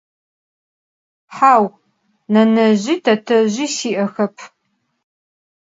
Hau, nenezji tetezji si'exep.